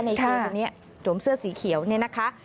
ในโครงตรงนี้โดมเสื้อสีเขียวเนี่ยนะคะ